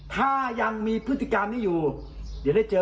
ไต้หวันไม่ใช่เหรอ